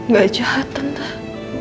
gak jahatan lah